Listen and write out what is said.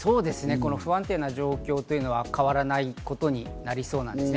不安定な状況というのは変わらないことになりそうです。